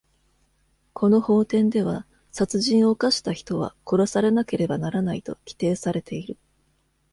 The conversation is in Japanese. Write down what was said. この法典では、殺人を犯した人は殺されなければならないと規定されている。